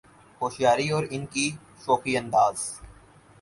ہوشیاری اور ان کی شوخی انداز